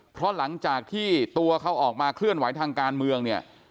เพราะหลังจากที่ตัวเขาออกมาเคลื่อนไหวทางการเมืองเนี่ย